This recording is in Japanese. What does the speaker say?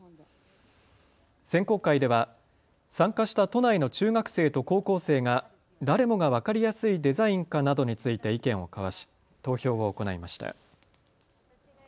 選考会では参加した都内の中学生と高校生が誰もが分かりやすいデザインかなどについて意見を交わし、投票を行いました。